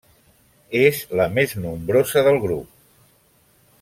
És la més nombrosa del grup.